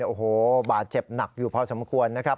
โอ้โหบาดเจ็บหนักอยู่พอสมควรนะครับ